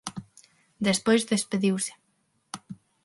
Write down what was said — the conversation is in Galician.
Despois despediuse.